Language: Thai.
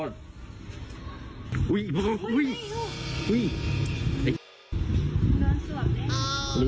อันนี้ขาดติดต่ออีกทีเนี่ย